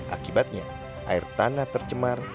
akibatnya air tanah tercemar